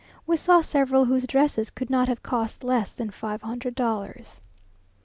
We saw several whose dresses could not have cost less than five hundred dollars.